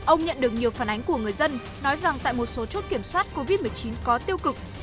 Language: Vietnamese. ông nhận được nhiều phản ánh của người dân nói rằng tại một số chốt kiểm soát covid một mươi chín có tiêu cực